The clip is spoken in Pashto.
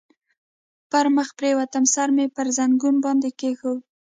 پر مخ پرېوتم، سر مې پر زنګنو باندې کېښود.